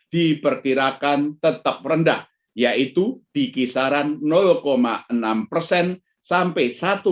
dipertirakan tetap rendah yaitu di kisaran enam sampai satu empat